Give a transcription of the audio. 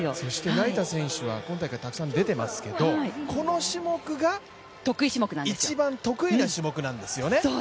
成田選手は、今大会たくさん出ていますがこの種目が一番得意な種目なんですよね。